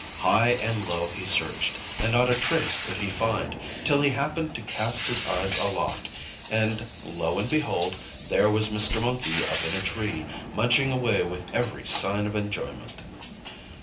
High and low he searched, and not a trace could he find; till he happened to cast his eyes aloft, and lo and behold, there was Mr. Monkey up in a tree, munching away with every sign of enjoyment.